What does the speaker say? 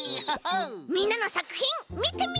みんなのさくひんみてみよう！